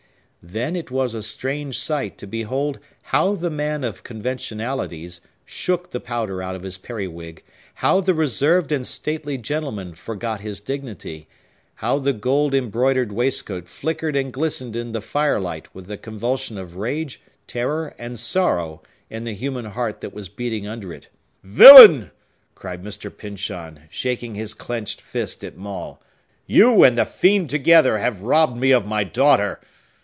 Then it was a strange sight to behold how the man of conventionalities shook the powder out of his periwig; how the reserved and stately gentleman forgot his dignity; how the gold embroidered waistcoat flickered and glistened in the firelight with the convulsion of rage, terror, and sorrow in the human heart that was beating under it. "Villain!" cried Mr. Pyncheon, shaking his clenched fist at Maule. "You and the fiend together have robbed me of my daughter.